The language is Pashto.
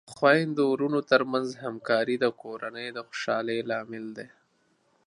د خویندو ورونو ترمنځ همکاري د کورنۍ د خوشحالۍ لامل دی.